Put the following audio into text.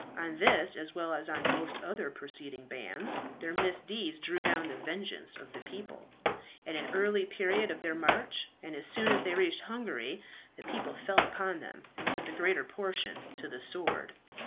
On this as well as on most other preceding bands, their misdeeds drew down the vengeance of the people. At an early period of their march, and as soon as they reached Hungary, the people fell upon them, and put the greater portion to the sword.